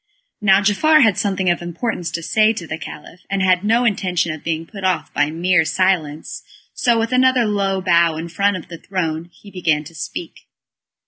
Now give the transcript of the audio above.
Now Giafar had something of importance to say to the Caliph, and had no intention of being put off by mere silence, so with another low bow in front of the throne, he began to speak.